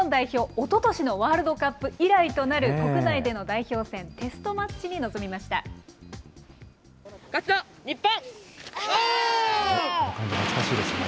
おととしのワールドカップ以来となる国内での代表戦、テストマッ勝つぞ、日本。